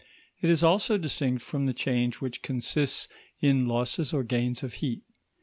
It is also distinct from the change which consists in losses or gains of heat.